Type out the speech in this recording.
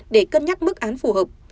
để cân nhắc mức án phù hợp